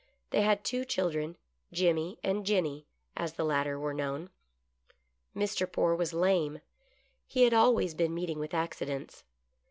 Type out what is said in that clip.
They had two children, " Jimmy and Jenny," as the latter were known. Mr. Poore was lame. He had always been meeting with accidents.